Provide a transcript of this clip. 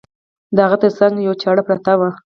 د هغه تر څنګ یوه چاړه پرته وه.